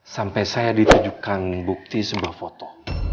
sampai saya ditujukan bukti sebuah foto